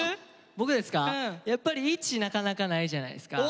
僕ですかやっぱり１なかなかないじゃないですか。